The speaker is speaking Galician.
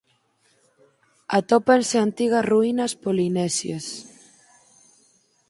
Atópanse antigas ruínas polinesias.